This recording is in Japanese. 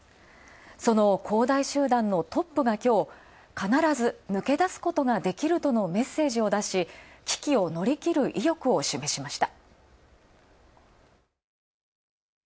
その恒大集団のトップが今日、必ず抜け出すことができるとのメッセージを出し、危機を乗り切る意欲を示しました。